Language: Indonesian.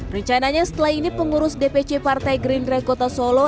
rencananya setelah ini pengurus dpc partai gerindra kota solo